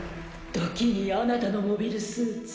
時にあなたのモビルスーツ